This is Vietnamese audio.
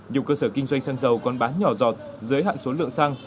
nhiều cơ sở kinh doanh xăng dầu còn bán nhỏ dọt dưới hạn số lượng xăng